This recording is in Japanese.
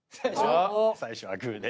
最初はグー。